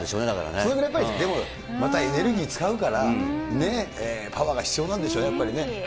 それぐらいやっぱりでも、またエネルギー使うから、パワーが必要なんでしょうね、やっぱりね。